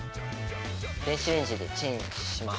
電子レンジでチンします。